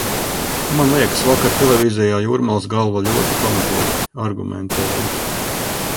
Man liekas, vakar televīzijā Jūrmalas galva ļoti pamatoti argumentēja.